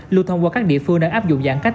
lưu thông qua các địa phương đã áp dụng giãn cách